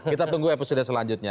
kita tunggu episode selanjutnya